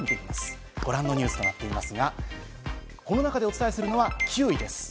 ご覧のニュースとなっていますが、この中でお伝えするのは９位です。